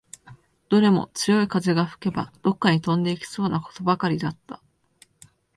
どれも強い風が吹けば、どっかに飛んでいきそうなことばかりだった